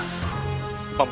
untuk raden surawisesa